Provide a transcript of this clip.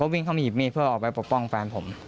วิ่งเข้ามาหยิบมีดเพื่อออกไปปกป้องแฟนผม